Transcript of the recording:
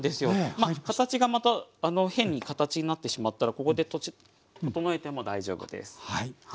まあ形がまた変に形になってしまったらここで整えても大丈夫です。